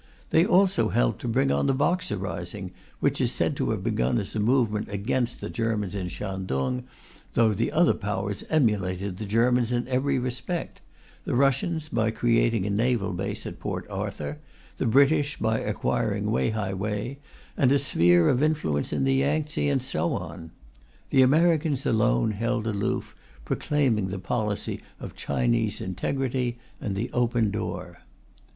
They also helped to bring on the Boxer rising, which is said to have begun as a movement against the Germans in Shantung, though the other Powers emulated the Germans in every respect, the Russians by creating a naval base at Port Arthur, the British by acquiring Wei hai wei and a sphere of influence in the Yangtze, and so on. The Americans alone held aloof, proclaiming the policy of Chinese integrity and the Open Door.